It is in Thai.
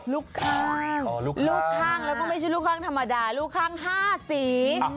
ลูกข้างลูกข้างแล้วก็ไม่ใช่ลูกข้างธรรมดาลูกข้าง๕สี